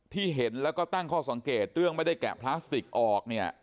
ที่เห็นแล้วก็ตั้งข้อสังเกตเรื่องไม่ได้แกะพลาสติกออกเนี่ย